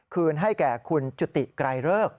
คืนให้แก่คุณจุติไกรเลิก